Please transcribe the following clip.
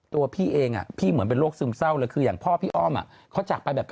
ตั้งแต่บอกว่ามาเลยแต่แบบ